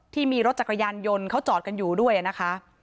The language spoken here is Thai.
ที่มีรถจักรยานยนต์เขาจอดกันอยู่ด้วยนะคะ